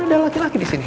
ada laki laki di sini